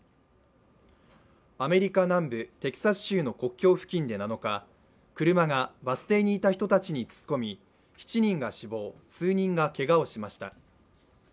アメリカ南部テキサス州の国境付近で７日、車がバス停にいた人たちに突っ込み７人が死亡、数人がけがをしました。